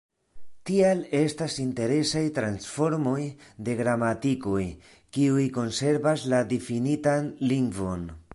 Tial estas interesaj transformoj de gramatikoj, kiuj konservas la difinitan lingvon.